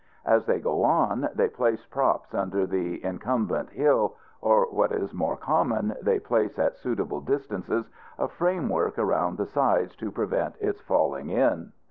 As they go on, they place props under the incumbent hill; or, what is more common, they place at suitable distances a framework around the sides to prevent its falling in.